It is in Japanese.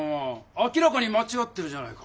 明らかにまちがってるじゃないか！